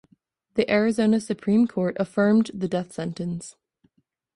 The Arizona Supreme Court affirmed the death sentence.